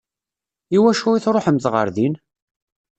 I wacu i tṛuḥemt ɣer din?